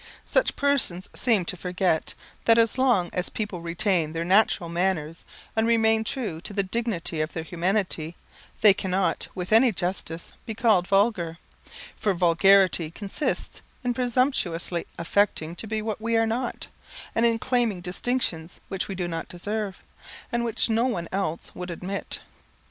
Such persons seem to forget, that as long as people retain their natural manners, and remain true to the dignity of their humanity, they cannot with any justice be called vulgar; for vulgarity consists in presumptuously affecting to be what we are not, and in claiming distinctions which we do not deserve and which no one else would admit.